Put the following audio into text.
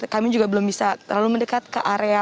kami juga belum bisa terlalu mendekat ke area